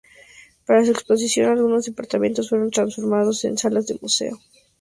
Para su exposición, algunos departamentos fueron transformados en salas de museo.